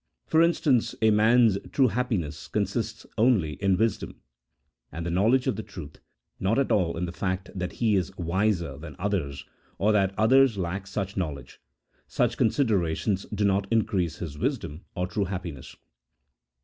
For instance, a man's true happiness consists only in wisdom, and the knowledge of the truth, not at all in the fact that he is wiser than others, or that others lack such knowledge : such considerations do not increase his wisdom or true happiness.